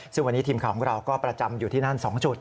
ซึ่งวันนี้ทีมข่าวของเราก็ประจำอยู่ที่นั่น๒จุด